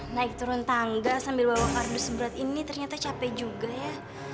naik turun tangga sambil bawa kardus seberat ini ternyata capek juga ya